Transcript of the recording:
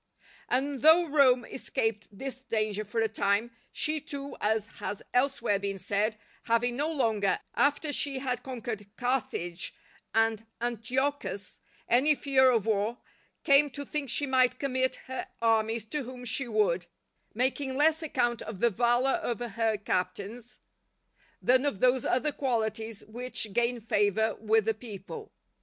And though Rome escaped this danger for a time, she too, as has elsewhere been said, having no longer, after she had conquered Carthage and Antiochus, any fear of war, came to think she might commit her armies to whom she would, making less account of the valour of her captains than of those other qualities which gain favour with the people.